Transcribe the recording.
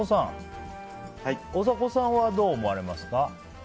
大迫さんはどう思われますか？